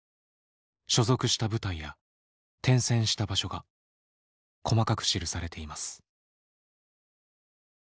所属した部隊や転戦した場所が細かく記されています。